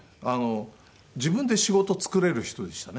自分で仕事作れる人でしたね。